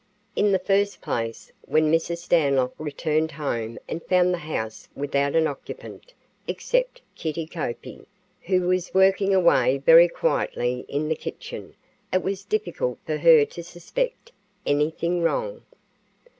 In the first place, when Mrs. Stanlock returned home and found the house without an occupant, except Kittie Koepke, who was working away very quietly in the kitchen, it was difficult for her to suspect anything wrong.